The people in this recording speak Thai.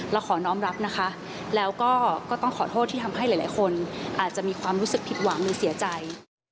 ขอน้องรับนะคะแล้วก็ก็ต้องขอโทษที่ทำให้หลายคนอาจจะมีความรู้สึกผิดหวังหรือเสียใจ